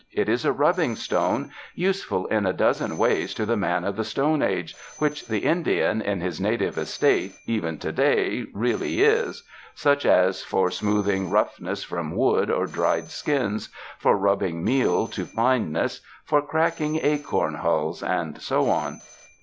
It is a rubbing stone, useful in a dozen ways to the man of the Stone Age, which the Indian, in his native estate, even to day, really is — such as for smooth ing roughness from wood or dried skins, for rubbing meal to fineness, for cracking acorn hulls and so on."